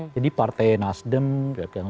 jadi partai nasdem kemarin kemudian dengan prabowo